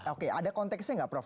oke ada konteksnya nggak prof